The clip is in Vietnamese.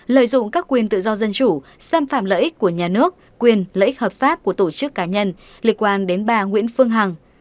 lợi dụng các quyền tự do dân chủ xâm phạm lợi ích của nhà nước quyền lợi ích hợp pháp của tổ chức cá nhân liên quan đến bà nguyễn phương hằng